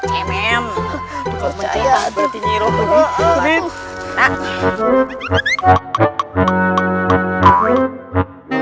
kau menolongnya berarti nyirau